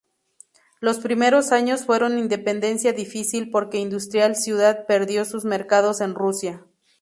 Los primeros años fueron independencia difícil porque industrial ciudad perdió sus mercados en Rusia.